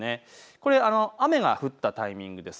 これ、雨が降ったタイミングです。